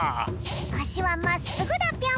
あしはまっすぐだぴょん。